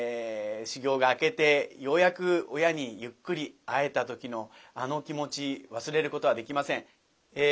修業が明けてようやく親にゆっくり会えた時のあの気持ち忘れることはできません。